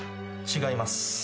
違います。